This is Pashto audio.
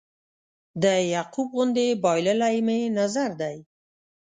د یعقوب غوندې بایللی مې نظر دی